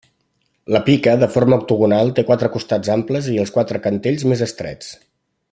La pica de forma octogonal té quatre costats amples i els quatre cantells més estrets.